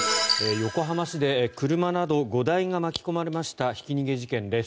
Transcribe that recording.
横浜市で車など５台が巻き込まれましたひき逃げ事件です。